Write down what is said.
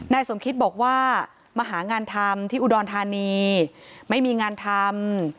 สมคิตบอกว่ามาหางานทำที่อุดรธานีไม่มีงานทำ